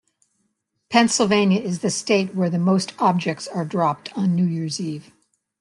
Pennsylvania is the state where the most objects are dropped on New Year's Eve.